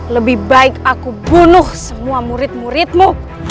lebih baik aku bunuh semua murid muridmu